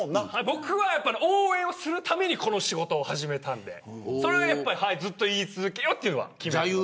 僕は応援をするためにこの仕事を始めたのでそれがずっと言い続けようというのは。